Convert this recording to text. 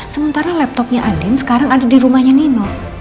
sementara laptopnya andin sekarang ada di rumahnya nino